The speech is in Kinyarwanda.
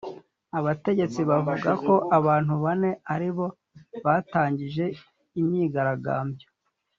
Abategetsi bavuga ko abantu bane aribo batangije imyigaragambyo